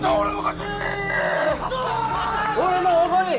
俺のおごり